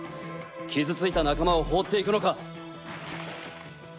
キズついた仲間を放っていくのか？